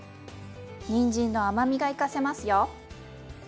にんじんの甘みが生かせますよ。